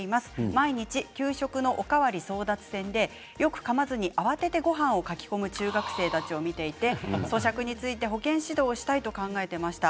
毎日、給食のお代わり争奪戦でよくかまずに慌ててごはんをかき込む中学生たちを見ていてそしゃくについて、保健指導をしたいと考えていました。